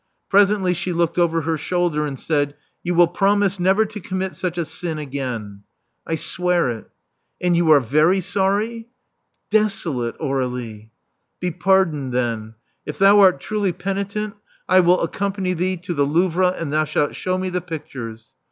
Presently she looked over her shoulder, and said, •*You will promise never to commit such a sin again." "I swear it." And you are very sorry?" Desolate, Aur^lie." Be pardoned, then. If thou art truly penitent, I will accompany thee to the Louvre; and thou shalt shew me the pictures."